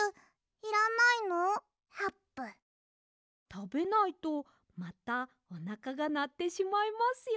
たべないとまたおなかがなってしまいますよ。